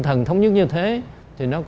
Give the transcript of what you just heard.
mới thống nhất được